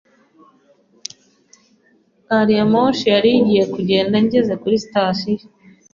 Gari ya moshi yari igiye kugenda ngeze kuri sitasiyo.